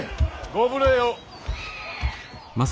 ご無礼を。